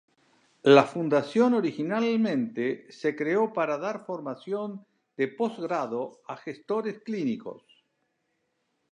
La Fundación originalmente se creó para dar formación de postgrado a gestores clínicos.